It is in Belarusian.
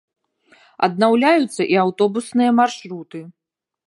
Аднаўляюцца і аўтобусныя маршруты.